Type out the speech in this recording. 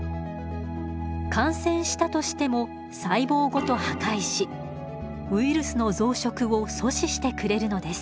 感染したとしても細胞ごと破壊しウイルスの増殖を阻止してくれるのです。